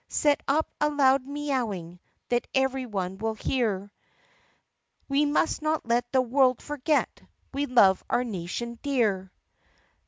Set up a loud mee owing That every one will hear ! We must not let the world forget We love our nation dear